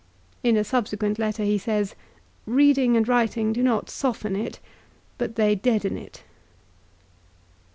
In a sub sequent letter he says, " Reading and writing do not soften it ; but they deaden it."